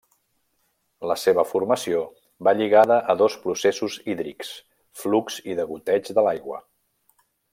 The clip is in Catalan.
La seva formació va lligada a dos processos hídrics: flux i degoteig de l'aigua.